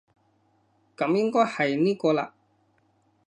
噉應該係呢個喇